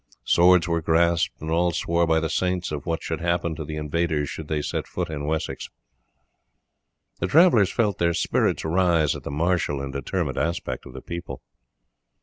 Swords were grasped, and all swore by the saints of what should happen to the invaders should they set foot in Wessex. The travellers felt their spirits rise at the martial and determined aspect of the people.